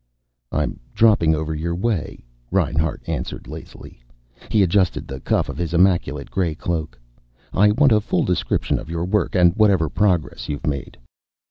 "I'm dropping over your way," Reinhart answered lazily. He adjusted the cuff of his immaculate gray cloak. "I want a full description of your work and whatever progress you've made."